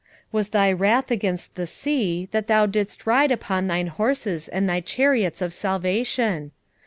was thy wrath against the sea, that thou didst ride upon thine horses and thy chariots of salvation?